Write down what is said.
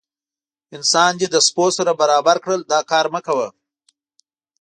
انسان دې له سپو سره برابر کړل دا کار مه کوه.